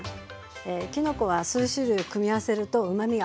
きのこは数種類を組み合わせるとうまみがアップします。